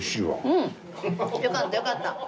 うん。よかったよかった。